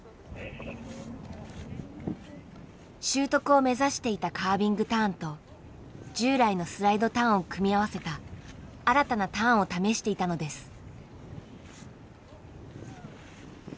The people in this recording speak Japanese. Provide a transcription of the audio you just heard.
習得を目指していたカービングターンと従来のスライドターンを組み合わせた新たなターンを試していたのです。